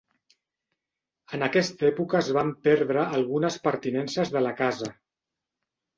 En aquesta època es van perdre algunes pertinences de la casa.